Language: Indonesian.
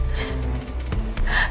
terus kalian mau ngapain saya